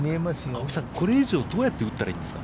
青木さん、これ以上どうやって打ったらいいんですか。